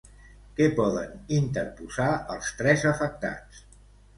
Què poden interposar, els tres afectats?